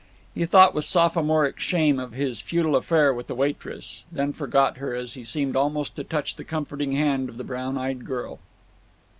He thought with sophomoric shame of his futile affair with the waitress, then forgot her as he seemed almost to touch the comforting hand of the brown eyed girl.